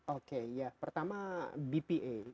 oke ya pertama bpa